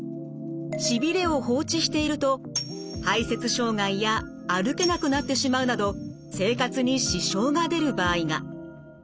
しびれを放置していると排せつ障害や歩けなくなってしまうなど生活に支障が出る場合が。